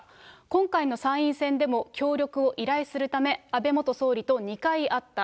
今回の参院選でも協力を依頼するため、安倍元総理と２回会った。